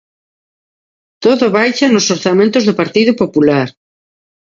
¡Todo baixa nos orzamentos do Partido Popular!